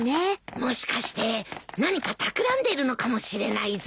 もしかして何かたくらんでるのかもしれないぞ。